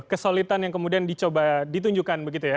kesolitan yang kemudian ditunjukkan begitu ya